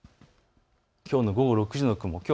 きょうの午後６時の雲です。